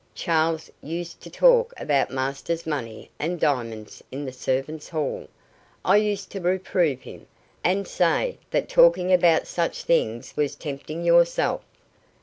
"Charles used to talk about master's money and diamonds in the servants' hall. I used to reprove him, and say that talking about such things was tempting yourself."